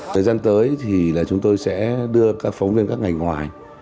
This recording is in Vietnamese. thời gian tới thì chúng tôi sẽ đưa phóng viên các ngành ngoài